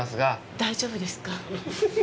大丈夫ですか？